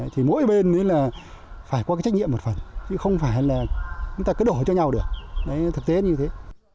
thì mỗi bên phải có cái trách nhiệm một phần chứ không phải là người ta cứ đổ cho nhau được đấy thực tế như thế